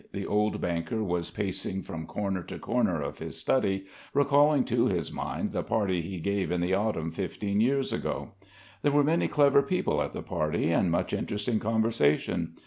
The old banker was pacing from corner to corner of his study, recalling to his mind the party he gave in the autumn fifteen years ago. There were many clever people at the party and much interesting conversation.